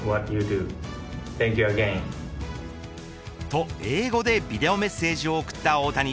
と英語でビデオメッセージを送った大谷。